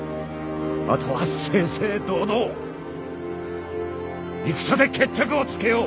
あとは正々堂々戦で決着をつけよう。